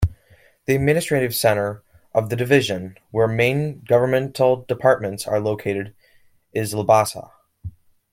The administrative centre of the Division, where main governmental departments are located, is Labasa.